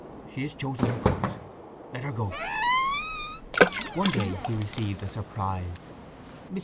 She has chosen her course. Let her go!" One day he received a surprise. Mrs.